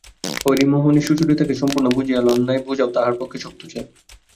হরিমোহিনী সুচরিতাকে সম্পূর্ণ বুঝিয়া লন নাই, বোঝাও তাঁহার পক্ষে শক্ত ছিল।